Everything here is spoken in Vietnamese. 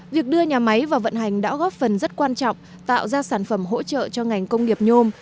việc đưa nhà máy vào vận hành đã góp phần rất quan trọng tạo ra sản phẩm hỗ trợ cho ngành công nghiệp nhôm